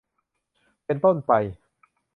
เป็นต้นไป